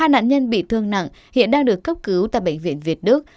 ba nạn nhân bị thương nặng hiện đang được cấp cứu tại bệnh viện việt đức